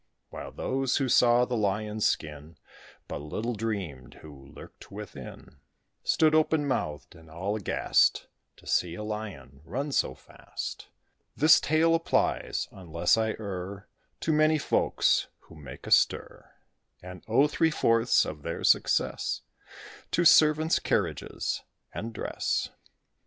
While those who saw the Lion's skin, But little dreamed who lurked within, Stood open mouthed, and all aghast, To see a Lion run so fast. This tale applies, unless I err, To many folks who make a stir; And owe three fourths of their success To servants, carriages, and dress.